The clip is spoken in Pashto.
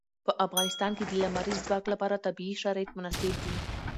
په افغانستان کې د لمریز ځواک لپاره طبیعي شرایط مناسب دي.